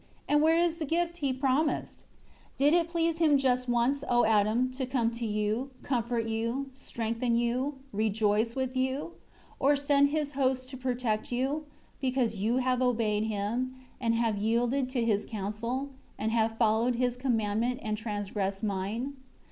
And where is the gift he promised? 7 Did it please him just once, O Adam, to come to you, comfort you, strengthen you, rejoice with you, or send his hosts to protect you; because you have obeyed him, and have yielded to his counsel; and have followed his commandment and transgressed Mine?"